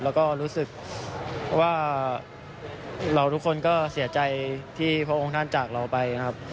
แล้วก็รู้สึกว่าเราทุกคนก็เสียใจที่พระองค์ท่านจากเราไปนะครับ